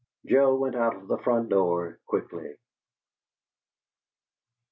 Joe went out of the front door quickly.